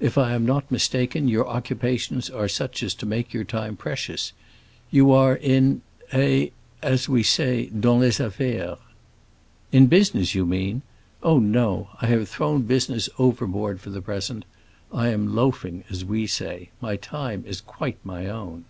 "If I am not mistaken, your occupations are such as to make your time precious. You are in—a—as we say, dans les affaires." "In business, you mean? Oh no, I have thrown business overboard for the present. I am 'loafing,' as we say. My time is quite my own."